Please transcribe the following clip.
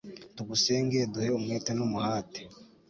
tugusenge, duhe umwete n'umuhate